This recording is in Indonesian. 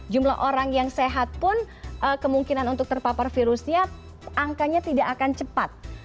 jumlah orang yang sehat pun kemungkinan untuk terpapar virusnya angkanya tidak akan cepat